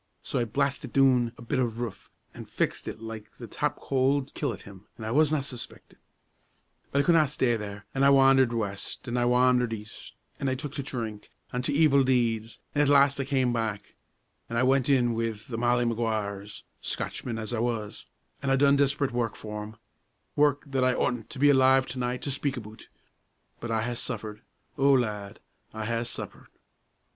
So I blastit doon a bit o' roof, an' fixed it like the top coal'd killit him; an' I wasna suspeckit. But I could na stay there; an' I wandered west, an' I wandered east, an' I took to drink, an' to evil deeds, an' at last I cam' back, an' I went in wi' the Molly Maguires Scotchman as I was an' I done desperate work for 'em; work that I oughtn't to be alive to night to speak aboot but I ha' suffered; O lad, I ha' suffered!